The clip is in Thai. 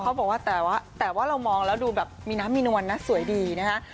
เขาบอกว่าแต่ว่าเรามองแล้วดูแบบมีน้ำมีนวลนะสวยดีนะฮะ